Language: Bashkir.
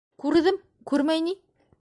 — Күрҙем, күрмәй ни.